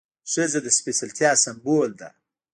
ښځه د سپېڅلتیا سمبول ده.